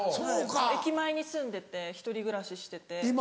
駅前に住んでて１人暮らししてて。